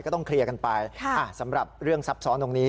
ก็ต้องเคลียร์กันไปสำหรับเรื่องซับซ้อนตรงนี้